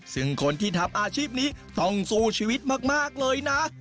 ซึ่งคนที่ทำอาชีพนี้ต้องสู้ชีวิตมากเลยนะ